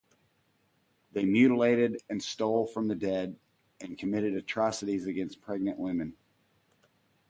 They mutilated and stole from the dead, and committed atrocities against pregnant women.